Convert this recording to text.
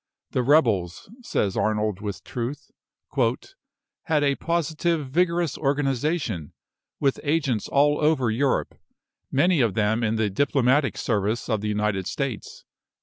"The rebels," says Arnold, with truth, "had a positive, vigorous organisation, with agents all over Europe, many of them in the diplomatic service of the United States."